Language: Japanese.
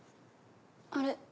あれ？